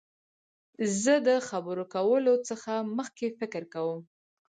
زه د خبرو کولو څخه مخکي فکر کوم.